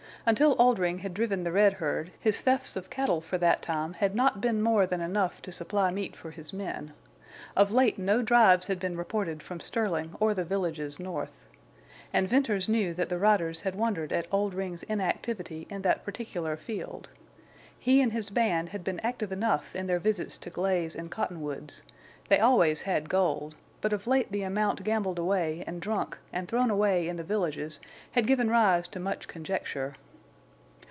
Until Oldring had driven the red herd his thefts of cattle for that time had not been more than enough to supply meat for his men. Of late no drives had been reported from Sterling or the villages north. And Venters knew that the riders had wondered at Oldring's inactivity in that particular field. He and his band had been active enough in their visits to Glaze and Cottonwoods; they always had gold; but of late the amount gambled away and drunk and thrown away in the villages had given rise to much conjecture.